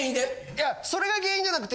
いやそれが原因じゃなくて。